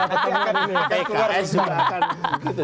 pks juga akan